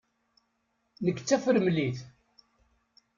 Nekk d tafremlit.